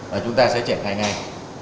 và chúng ta sẽ triển khai ngay